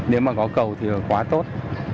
nếu mà có cầu thì quá tốt